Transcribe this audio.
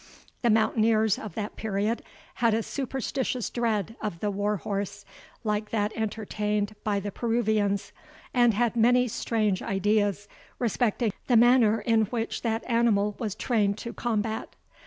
The mountaineers of that period had a superstitious dread of the war horse, like that entertained by the Peruvians, and had many strange ideas respecting the manner in which that animal was trained to combat.